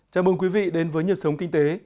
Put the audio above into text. chào mừng quý vị đến với nhịp sống kinh tế